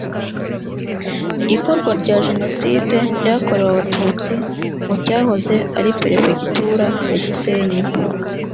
ikorwa rya jenoside yakorewe abatutsi mu cyahoze ari perefegitura ya gisenyi